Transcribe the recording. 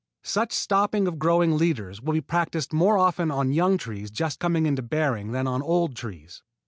Such stopping of growing leaders will be practised more often on young trees just coming into bearing than on old trees.